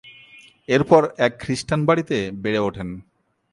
এরপর এক খ্রিস্টান বাড়িতে বেড়ে ওঠেন।